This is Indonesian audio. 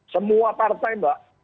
semua partai mbak